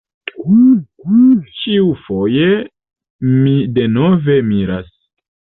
Ĉiufoje mi denove miras.